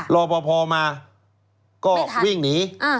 รอพอมาก็วิ่งหนี